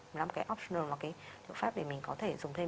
nó là một cái optional một cái liệu pháp để mình có thể dùng thêm